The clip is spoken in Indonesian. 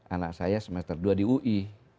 anak saya semester dua di ui